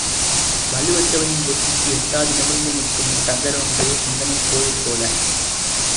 வலுவற்றவனின் புத்திக்கு எட்டாது நிமிர்ந்து நிற்கும் சங்கரனுடைய சிந்தனை கோயில் போல.